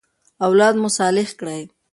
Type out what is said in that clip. اولاد مو صالح کړئ.